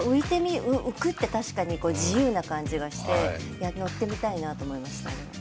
浮くって確かに自由な感じがして乗ってみたいなって思いました。